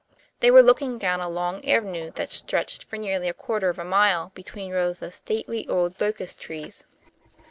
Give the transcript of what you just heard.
They were looking down a long avenue that stretched for nearly a quarter of a mile between rows of stately old locust trees.